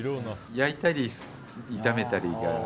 焼いたり炒めたり。